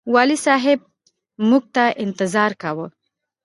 والي صاحب موږ ته انتظار کاوه.